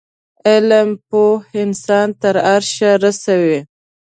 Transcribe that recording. علم پوه انسان تر عرشه رسوی